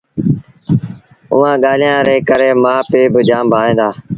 ايٚئآݩ ڳآليٚن ري ڪري مآ پي با جآم ڀائيٚݩ دآ